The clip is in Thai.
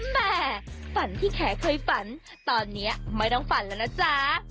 ฝันที่แขเคยฝันตอนนี้ไม่ต้องฝันแล้วนะจ๊ะ